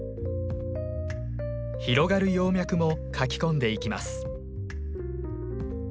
広がる葉脈も描き込んでいきます。